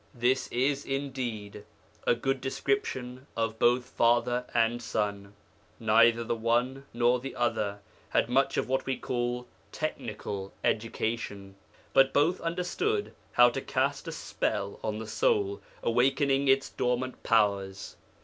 This is, indeed, a good description of both father and son. Neither the one nor the other had much of what we call technical education, but both understood how to cast a spell on the soul, awakening its dormant powers.